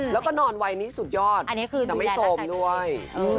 แล้วก็นอนวัยนี้สุดยอดจะไม่โซมด้วย